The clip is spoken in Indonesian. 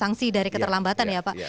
sanksi dari keterlambatan ya pak